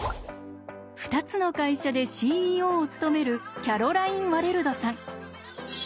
２つの会社でＣＥＯを務めるキャロライン・ワレルドさん。